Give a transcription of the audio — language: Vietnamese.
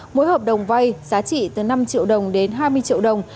mỗi hợp đồng vay giá trị từ năm triệu đồng đến hai mươi triệu đồng